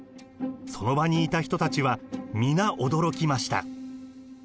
その場にいた人たちは皆驚きました。